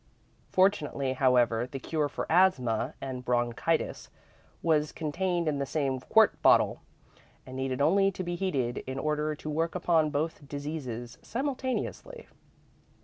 Fortunately, however, the cure for asthma and bronchitis was contained in the same quart bottle, and needed only to be heated in order to work upon both diseases simultaneously.